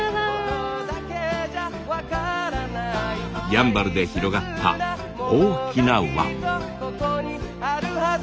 やんばるで広がった大きな輪。